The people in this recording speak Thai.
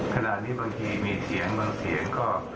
ขณะนี้บางทีมีเสียงบางเสียงก็